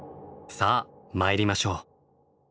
さあ参りましょう。